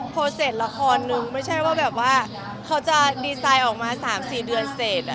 เพราะเสร็จละครหนึ่งไม่ใช่ว่ากลับมาจะดีไซน์ออกมา๓๔เดือนเสร็จ